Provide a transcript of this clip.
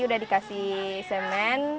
udah dikasih semen